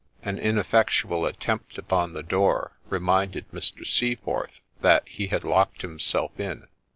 An ineffectual attempt upon the door reminded Mr. Seaforth that he had locked himself in.